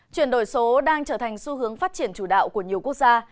chuyển đổi số đang trở thành xu hướng phát triển chủ đạo của nhiều quốc gia